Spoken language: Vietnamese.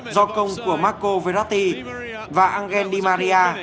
do công của marco verratti và angel di maria